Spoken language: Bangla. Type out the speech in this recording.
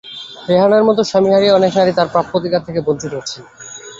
রেহানার মতো স্বামী হারিয়ে অনেক নারী তাঁর প্রাপ্য অধিকার থেকে বঞ্চিত হচ্ছেন।